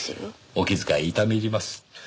お気遣い痛み入ります。